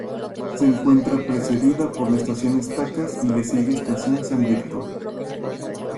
Se encuentra precedida por la Estación Estacas y le sigue Estación San Víctor.